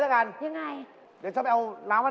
ก็ฉันด่าพวกเธอจนเสียงฉันแหบเป็นอย่างนี้ไม่พอแล้วเนี่ย